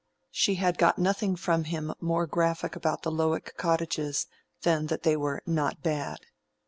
She had got nothing from him more graphic about the Lowick cottages than that they were "not bad."